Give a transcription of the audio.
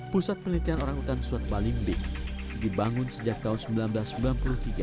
pusat penelitian orangutan suat balimbing dibangun sejak tahun seribu sembilan ratus sembilan puluh tiga